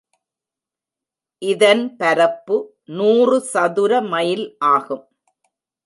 இதன் பரப்பு நூறு சதுர மைல் ஆகும்.